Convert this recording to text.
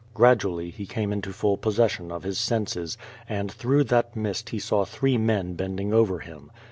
Gradually he came into full possession of his senses, and through that mist he saw three men bending over him.